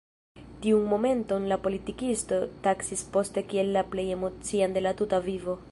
Tiun momenton la politikisto taksis poste kiel la plej emocian de la tuta vivo.